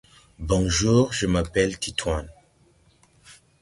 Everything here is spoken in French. Bonjour, je m'appelle Titouan